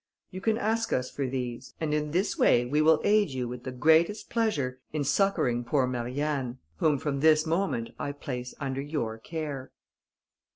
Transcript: You can ask us for these, and in this way, we will aid you, with the greatest pleasure, in succouring poor Marianne, whom from this moment I place under your care."